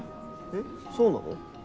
えっそうなの？